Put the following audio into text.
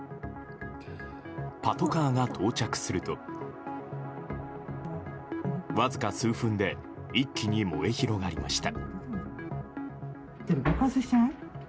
パトカーが到着するとわずか数分で一気に燃え広がりました。